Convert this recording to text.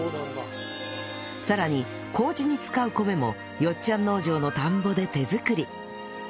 さらに麹に使う米もよっちゃん農場の田んぼで手作り